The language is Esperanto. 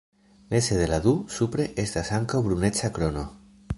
Meze de la du, supre, estas ankaŭ bruneca krono.